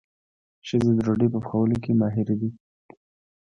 ښځې د ډوډۍ په پخولو کې ماهرې دي.